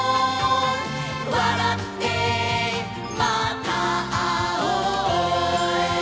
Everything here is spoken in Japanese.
「わらってまたあおう」